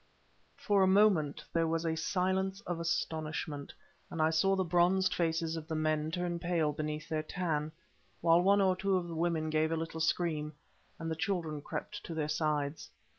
For a moment there was a silence of astonishment, and I saw the bronzed faces of the men turn pale beneath their tan, while one or two of the women gave a little scream, and the children crept to their sides.